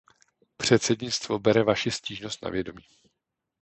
Předsednictvo bere vaši stížnost na vědomí.